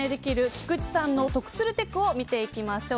菊地さんの得するテクを見ていきましょう。